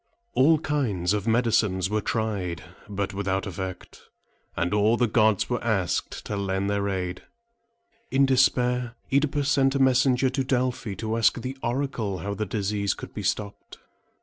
All kinds of medicines were tried, but without effect; and all the gods were asked to lend their aid. In despair, OEdipus sent a messenger to Delphi to ask the oracle how the disease could be stopped.